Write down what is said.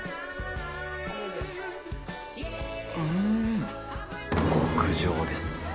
うーん、極上です。